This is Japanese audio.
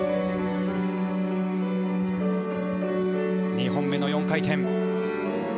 ２本目の４回転。